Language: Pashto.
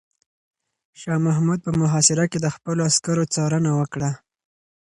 شاه محمود په محاصره کې د خپلو عسکرو څارنه وکړه.